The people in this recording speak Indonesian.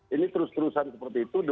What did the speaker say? ini terus terusan seperti itu